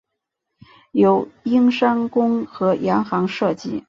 由英商公和洋行设计。